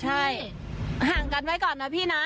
ใช่ห่างกันไว้ก่อนนะพี่นะ